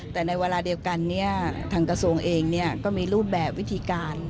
แต่ในเวลาเดียวกันทางกระทรวงเองก็มีรูปแบบวิธีการ